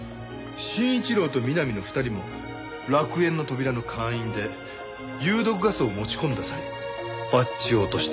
真一郎と美波の２人も楽園の扉の会員で有毒ガスを持ち込んだ際バッジを落とした。